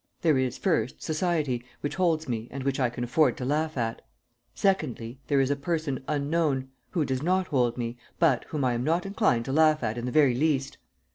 There is, first, society, which holds me and which I can afford to laugh at. Secondly, there is a person unknown, who does not hold me, but whom I am not inclined to laugh at in the very least.